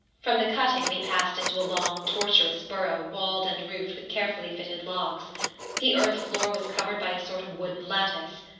From the cutting we passed into a long tortuous burrow walled and roofed with carefully fitted logs. The earth floor was covered by a sort of wooden lattice.